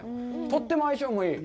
とっても相性もいい。